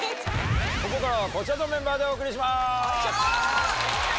ここからはこちらのメンバーでお送りします！